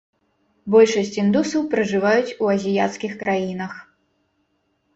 Большасць індусаў пражываюць у азіяцкіх краінах.